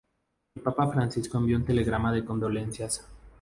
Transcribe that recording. El papa Francisco envió un telegrama de condolencias.